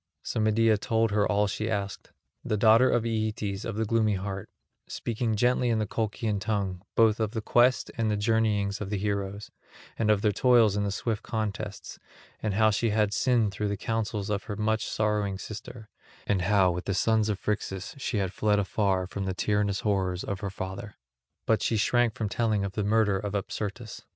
So Medea told her all she asked—the daughter of Aeetes of the gloomy heart, speaking gently in the Colchian tongue, both of the quest and the journeyings of the heroes, and of their toils in the swift contests, and how she had sinned through the counsels of her much sorrowing sister, and how with the sons of Phrixus she had fled afar from the tyrannous horrors of her father; but she shrank from telling of the murder of Apsyrtus.